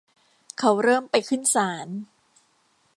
เขาเริ่มไปขึ้นศาล